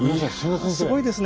いやすごいですね。